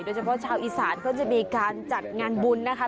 โดยเฉพาะชาวอีศาสตร์ควรจะมีการจัดงานบุญนะคะ